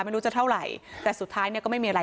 ไม่รู้จะเท่าไหร่แต่สุดท้ายเนี่ยก็ไม่มีอะไร